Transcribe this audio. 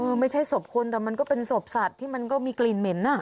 ไม่ใช่ศพคนแต่มันก็เป็นศพสัตว์ที่มันก็มีกลิ่นเหม็นอ่ะ